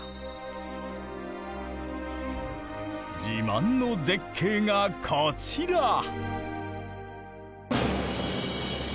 自慢の絶景がこちら！